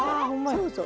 そうそう。